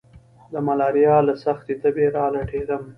د ملاريا له سختې تبي را لټېدم.